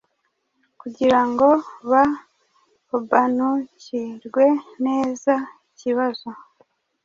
kugirango baobanukirwe neza ikibazo